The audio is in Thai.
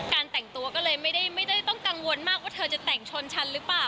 แต่งตัวก็เลยไม่ได้ต้องกังวลมากว่าเธอจะแต่งชนฉันหรือเปล่า